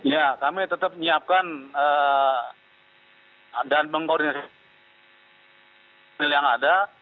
ya kami tetap menyiapkan dan mengordinasi mil yang ada